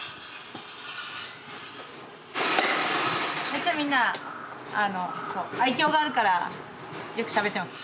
めっちゃみんな愛きょうがあるからよくしゃべってます。